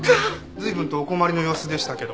随分とお困りの様子でしたけど。